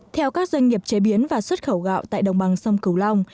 theo các doanh nghiệp chế biến và xuất khẩu gạo tại đồng bằng sông cửu long